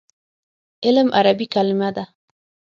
علم عربي کلمه ده.